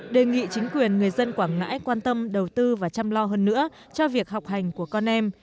đề nghị chính quyền người dân quảng ngãi quan tâm đầu tư và chăm lo hơn nữa cho việc học hành của con em